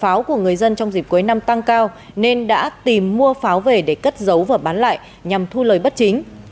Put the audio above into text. pháo của người dân trong dịp cuối năm tăng cao nên đã tìm mua pháo về để cất giấu và bán lại nhằm thu lời bất chính